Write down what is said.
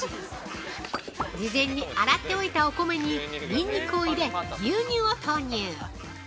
◆事前に洗っておいたお米にニンニクを入れ、牛乳を投入。